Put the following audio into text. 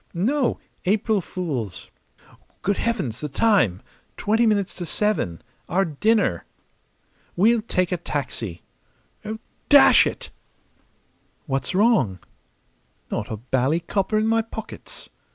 "No. April fools! Good heavens, the time! Twenty minutes to seven. Our dinner!" "We'll take a taxi.... Dash it!" "What's wrong?" "Not a bally copper in my pockets!"